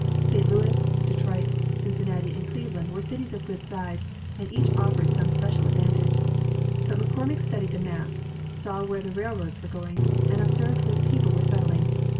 St. Lotus, Detroit, Cincinnati, and Cleveland were cities of good size, and each offered some special advantage. But McCormick studied the maps, saw where the railroads were going, and observed where the people were settUng.